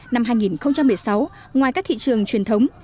năm hai nghìn một mươi sáu ngoài các thị trường truyền thống